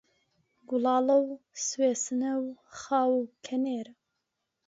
گوڵاڵە و سوێسنە و خاو و کەنێرە